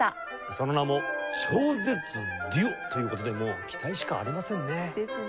その名も「超絶デュオ」という事でもう期待しかありませんね。ですね。